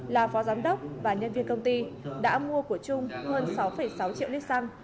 là phó giám đốc và nhân viên công ty đã mua của trung hơn sáu sáu triệu lít xăng